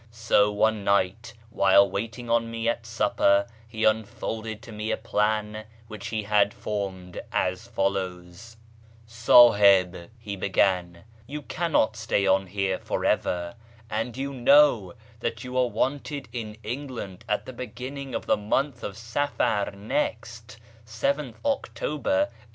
So one night, while waiting on me at supper, he unfolded to me a plan which he had formed, as follows :—" Sdhih," he began, " you cannot stay on here for ever, and you know that you are wanted in England at the beginning of the month of Safar next (7th October 1888).